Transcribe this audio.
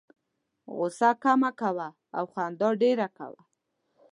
غوسه کمه کوه او خندا ډېره کوه.